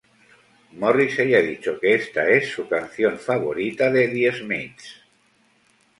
Morrissey ha dicho que esta es su canción favorita de The Smiths.